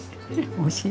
おいしい。